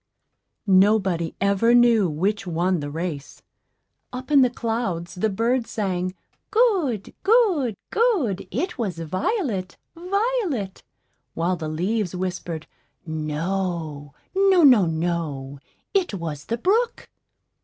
Nobody ever knew which won the race. Up in the clouds the birds sang, "Good, good, good; it was Violet, Violet!" while the leaves whispered, "No, no, no, no; it was the brook!"